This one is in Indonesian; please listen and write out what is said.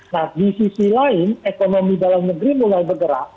nah di sisi lain ekonomi dalam negeri mulai bergerak